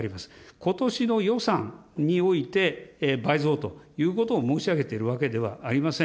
ことしの予算において、倍増ということを申し上げているわけではありません。